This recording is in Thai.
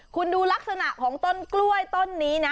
คุณดูลักษณะของต้นกล้วยต้นนี้นะ